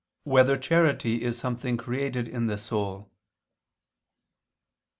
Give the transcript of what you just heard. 2] Whether Charity Is Something Created in the Soul?